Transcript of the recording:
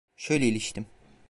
Şöyle iliştim.